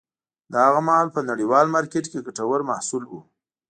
دا هغه مهال په نړیوال مارکېټ کې ګټور محصول و